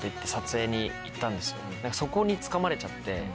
そこにつかまれちゃって。